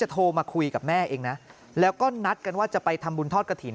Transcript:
โทรมาคุยกับแม่เองนะแล้วก็นัดกันว่าจะไปทำบุญทอดกระถิ่น